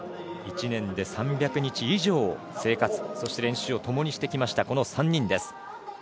１年で３００日以上生活練習を共にしてきた３人です。